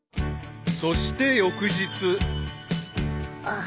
［そして翌日］